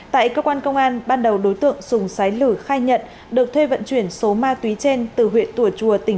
tại cơ quan công an ban đầu đối tượng sùng sái lửa khai nhận được thuê vận chuyển số ma túy trên